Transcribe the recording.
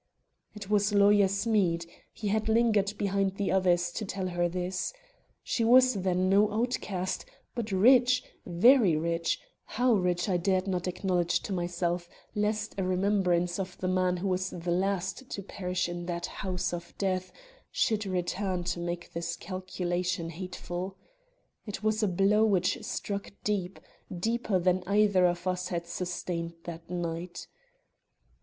It was Lawyer Smead. He had lingered behind the others to tell her this. She was, then, no outcast, but rich, very rich; how rich I dared not acknowledge to myself, lest a remembrance of the man who was the last to perish in that house of death should return to make this calculation hateful. It was a blow which struck deep, deeper than any either of us had sustained that night.